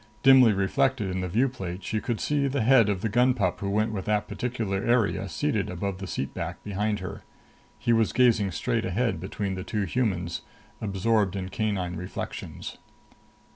Dimly reflected in the view plate, she could see the head of the gun pup who went with that particular area lifted above the seat back behind her. He was gazing straight ahead between the two humans, absorbed in canine reflections.